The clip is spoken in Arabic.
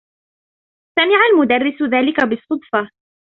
سمع المدرّس ذلك بالصّدفة.